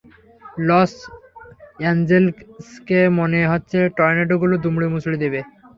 Loss অ্যাঞ্জেলসকে মনে হচ্ছে টর্নেডোগুলো দুমড়ে মুচড়ে দেবে!